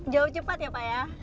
jauh cepat ya pak ya